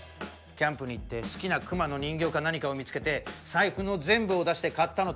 キャンプに行って好きな熊の人形か何かを見つけて財布の全部を出して買ったのと同じです。